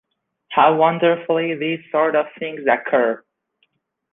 How wonderfully these sort of things occur!